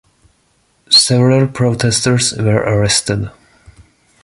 Several protesters were arrested.